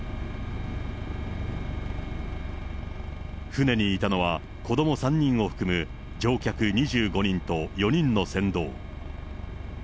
船にいたのは、子ども３人を含む乗客２５人と４人の船頭。